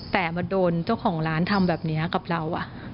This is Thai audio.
แต่มาโดนเจ้าของร้านทำแบบนี้กับเรา